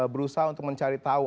berusaha untuk mencari tahu